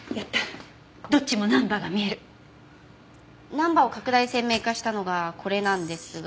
ナンバーを拡大鮮明化したのがこれなんですが。